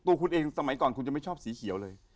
ตัวคุณเองสมัยก่อนคุณจะไม่ชอบสีเขียวเลย